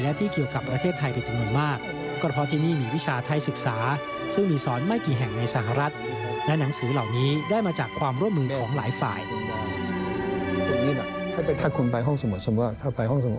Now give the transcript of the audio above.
และที่เกี่ยวกับประเทศไทยดีจริงมาก